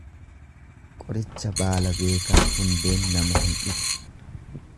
Qoricha baala beekan hundeen nama hin dhibu.